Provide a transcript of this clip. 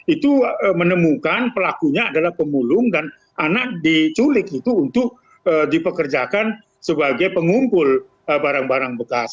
itu menemukan pelakunya adalah pemulung dan anak diculik itu untuk dipekerjakan sebagai pengumpul barang barang bekas